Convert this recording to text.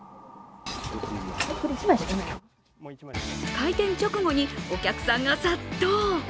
開店直後にお客さんが殺到。